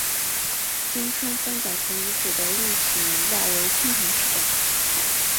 金川三角城遗址的历史年代为青铜时代。